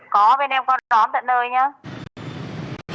có bên em có đón tận nơi nhá